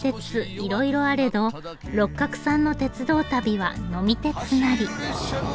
いろいろあれど六角さんの鉄道旅は呑み鉄なり。